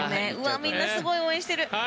みんなすごい応援してる。